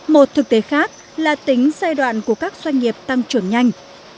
một thực tế khác là tính giai đoạn của các doanh nghiệp tăng trưởng nhanh